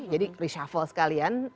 jadi reshuffle sekalian